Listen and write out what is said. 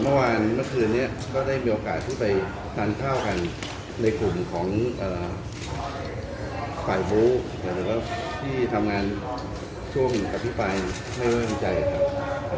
เมื่อวานเมื่อคืนนี้ก็ได้มีโอกาสที่จะการการการทานข้าวกันในกลุ่มของฝ่ายบู๊ที่ทำงานช่วงกับพี่ปลายไม่ว่างใจครับ